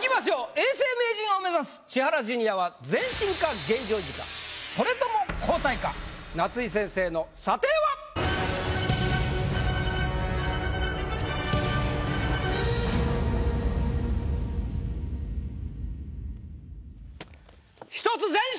永世名人を目指す千原ジュニアはそれとも夏井先生の査定は⁉１つ前進！